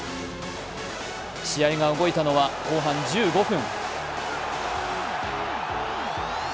試合が動いたのは後半１５分。